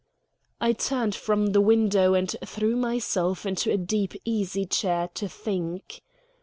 I turned from the window and threw myself into a deep easy chair to think.